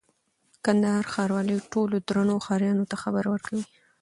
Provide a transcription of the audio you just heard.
کندهار ښاروالي ټولو درنو ښاريانو ته خبر ورکوي: